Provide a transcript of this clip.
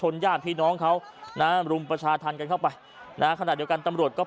นั่นนั่นนั่นนั่นนั่น